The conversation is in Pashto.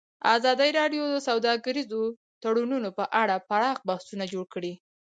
ازادي راډیو د سوداګریز تړونونه په اړه پراخ بحثونه جوړ کړي.